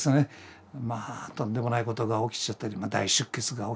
とんでもないことが起きちゃったり大出血が起きてね